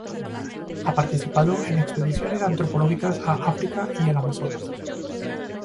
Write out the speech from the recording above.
Ha participado en expediciones antropológicas a África y el Amazonas.